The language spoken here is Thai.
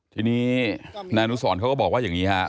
ทีนี้แกสอนเขาก็บอกว่าอย่างงี้